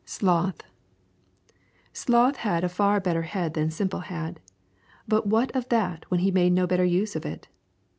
SLOTH Sloth had a far better head than Simple had; but what of that when he made no better use of it?